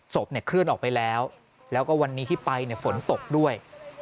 เคลื่อนออกไปแล้วแล้วก็วันนี้ที่ไปฝนตกด้วย